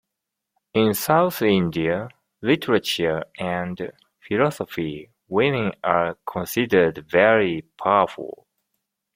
In South Indian literature and philosophy, women are considered very powerful.